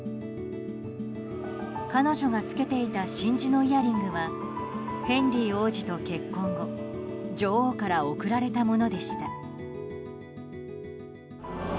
彼女が着けていた真珠のイヤリングはヘンリー王子と結婚後女王から贈られたものでした。